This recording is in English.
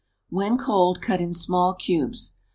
When cold cut in small cubes.